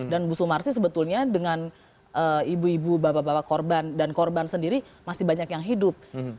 dan bu sumar sih sebetulnya dengan ibu ibu bapak bapak korban dan korban sendiri masih banyak yang hidup